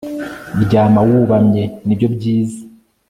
ryama wubamye nibyo byiza